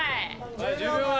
はい１０秒前。